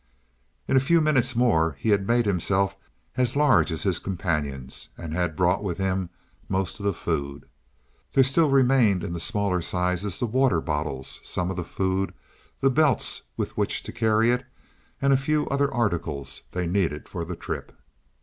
In a few minutes more he had made himself as large as his companions, and had brought with him most of the food. There still remained in the smaller size the water bottles, some of the food, the belts with which to carry it, and a few other articles they needed for the trip.